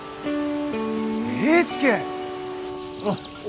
栄介！